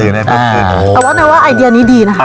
แต่ว่าในว่าไอเดียนี้ดีนะคะ